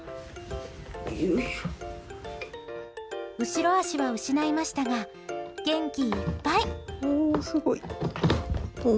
後ろ足は失いましたが元気いっぱい！